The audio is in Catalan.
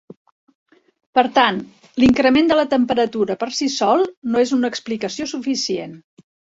Per tant, l'increment de la temperatura per si sol no és una explicació suficient.